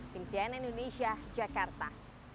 tim cnn indonesia jakarta